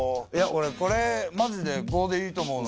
これマジで５でいいと思うわ。